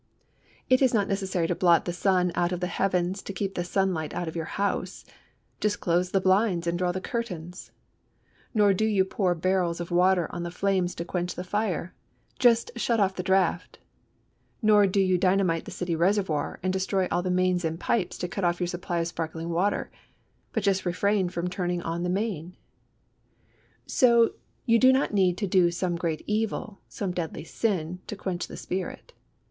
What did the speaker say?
It is not necessary to blot the sun out of the heavens to keep the sunlight out of your house just close the blinds and draw the curtains; nor do you pour barrels of water on the flames to quench the fire just shut off the draught; nor do you dynamite the city reservoir and destroy all the mains and pipes to cut off your supply of sparkling water, but just refrain from turning on the main. So you do not need to do some great evil, some deadly sin, to quench the Spirit.